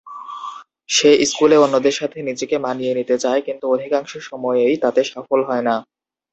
সে স্কুলে অন্যদের সাথে নিজেকে মানিয়ে নিতে চায়, কিন্তু অধিকাংশ সময়ই তাতে সফল হয়না।